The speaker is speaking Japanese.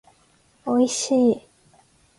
おいしい